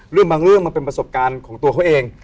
บางเรื่องมันเป็นประสบการณ์ของตัวเขาเอง